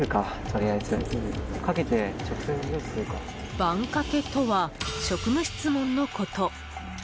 バンかけとは職務質問のこと。